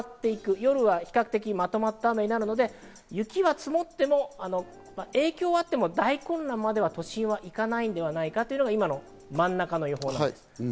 夜は比較的まとまった雨になるので雪は積もっても、影響はあっても大混乱までは都心はいかないのではないかというのが、今の真ん中の予報。